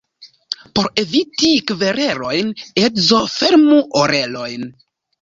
Por eviti kverelojn, edzo fermu orelojn.